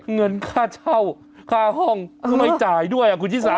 เงินค่าเช่าค่าห้องคือไม่จ่ายด้วยคุณชิสา